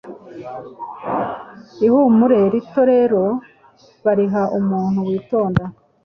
Ihumure rito rero, bariha Umuntu witonda